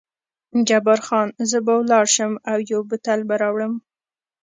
جبار خان: زه به ولاړ شم او یو بوتل به راوړم.